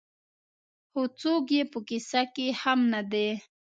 خو څوک یې په کيسه کې هم نه دي.